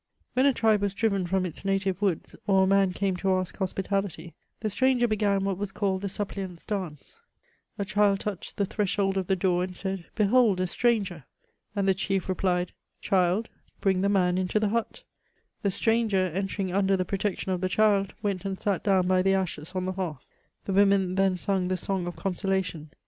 When a tribe was driven firom its native woods, or a man came to ask hospitality, the stranger began what was called the sup pliant's dance ; a child touched the threshold of the door and said, " Behold! a stranger!^* and the chief replied, Child^ bring the man into the hutJ" The stranger, entering under the pro tection of the child, went and sat down by the ashes on the hearth. The women then sung the song of consolation.